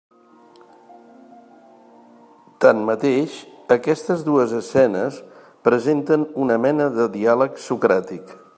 Tanmateix, aquestes dues escenes presenten una mena de diàleg socràtic.